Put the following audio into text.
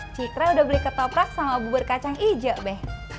cikre udah beli ketoprak sama bubur kacang ijo be